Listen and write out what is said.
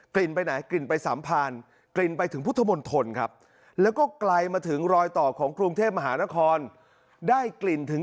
ไปไหนกลิ่นไปสัมพานกลิ่นไปถึงพุทธมนตรครับแล้วก็ไกลมาถึงรอยต่อของกรุงเทพมหานครได้กลิ่นถึง